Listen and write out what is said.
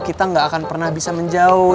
kita nggak akan pernah bisa menjauh